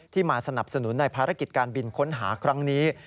มาสนับสนุนในภารกิจการบินค้นหาครั้งนี้